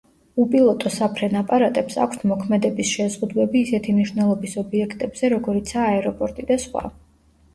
უპილოტო საფრენ აპარატებს აქვთ მოქმედების შეზღუდვები ისეთი მნიშვნელობის ობიექტებზე როგორიცაა აეროპორტი და სხვა.